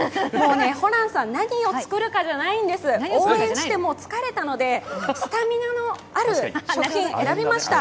ホランさん、何を作るかじゃないんです、応援して疲れたのでスタミナのある食品を選びました。